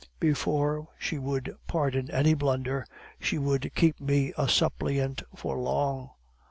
Before she would pardon any blunder, she would keep me a suppliant for long.